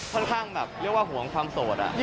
ค่อนข้างแบบเรียกว่าห่วงความโสด